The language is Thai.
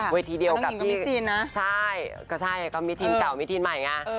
เวทีเดียวกับที่ใช่ก็ใช่ก็มีทีมเก่ามีทีมใหม่ไง